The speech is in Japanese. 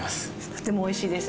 とてもおいしいです。